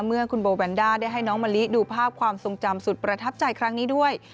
เมื่อคุณโบแวนด้าได้ให้น้องมะลิดูภาพความทรงจำสุดประทับใจครั้งนี้ด้วย